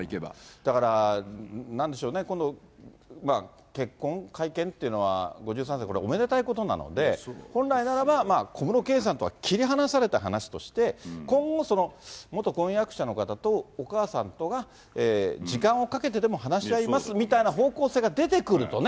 だからなんでしょうね、この結婚会見っていうのは、５３世、これはおめでたいことなので、本来ならば、小室圭さんとは切り離された話として、今後、元婚約者の方とお母さんとが時間をかけてでも話し合いますみたいな方向性が出てくるとね。